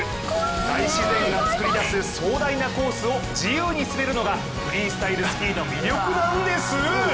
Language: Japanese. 大自然が作り出す壮大なコースを自由に滑るのがフリースタイルの魅力なんです。